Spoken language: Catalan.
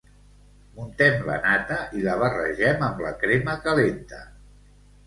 Muntem la nata i la barregem amb la crema calenta.